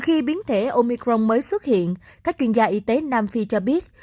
khi biến thể omicron mới xuất hiện các chuyên gia y tế nam phi cho biết